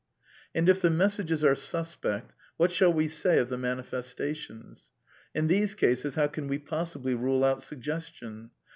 And if the messages are suspect, what shall we say of the manifestations? In these cases how can we possibly rule out suggestion